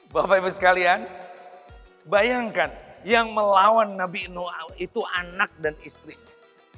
bapak ibu sekalian bayangkan yang melawan nabi now itu anak dan istrinya